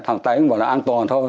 thằng tây cũng bảo là an toàn thôi